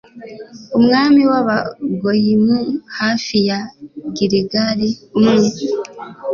umwami w'abagoyimu, hafi ya giligali, umwe